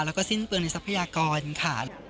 แล้วก็สิ้นเปลืองในทรัพยากรค่ะ